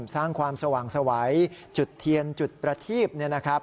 สร้างความสวัสดิ์สวัยจุดเทียนจุดประทีบ